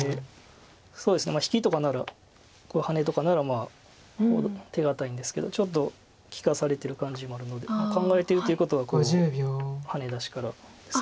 そうですね引きとかならハネとかなら手堅いんですけどちょっと利かされてる感じもあるので考えてるということはハネ出しからですね。